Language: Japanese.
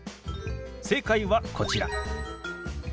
正解はこちら。